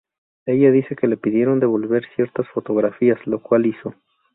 Ella dice que le pidieron devolver ciertas fotografías, lo cual hizo.